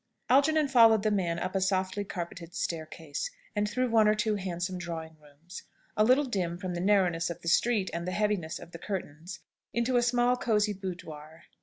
Algernon followed the man up a softly carpeted staircase, and through one or two handsome drawing rooms a little dim from the narrowness of the street and the heaviness of the curtains into a small cosy boudoir.